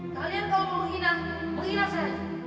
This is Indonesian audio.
kalian kau mau menghina menghina saya